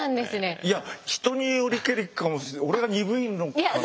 いや人によりけりかも俺が鈍いのかな？